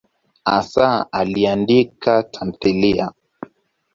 Hasa aliandika tamthiliya.